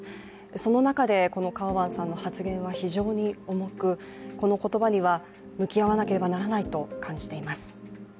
その中で、このカウアンさんの発言は非常に重く、この言葉には、向き合わなければならないと感じています。